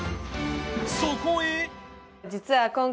そこへ